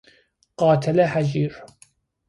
قاتل هژیر